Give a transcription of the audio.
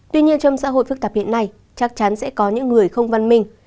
tuy nhiên trong xã hội phức tạp hiện nay chắc chắn sẽ có những người không văn minh